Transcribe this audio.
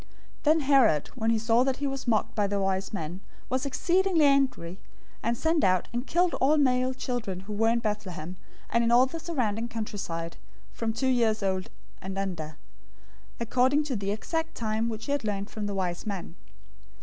"{Hosea 11:1} 002:016 Then Herod, when he saw that he was mocked by the wise men, was exceedingly angry, and sent out, and killed all the male children who were in Bethlehem and in all the surrounding countryside, from two years old and under, according to the exact time which he had learned from the wise men.